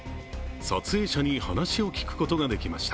撮影者に話を聞くことができました。